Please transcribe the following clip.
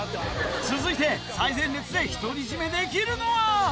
続いて最前列で独り占めできるのは？